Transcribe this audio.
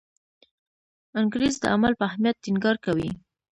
انګریز د عمل په اهمیت ټینګار کوي.